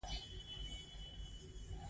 هغوی په صمیمي رڼا کې پر بل باندې ژمن شول.